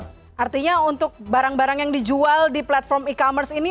artinya untuk barang barang yang dijual di platform e commerce ini